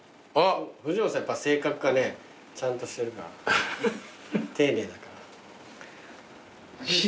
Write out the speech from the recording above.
藤本さんやっぱ性格がねちゃんとしてるから丁寧だから。